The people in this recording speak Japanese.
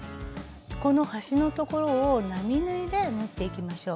この端の所を並縫いで縫っていきましょう。